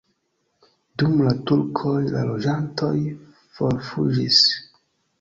Dum la turkoj la loĝantoj forfuĝis.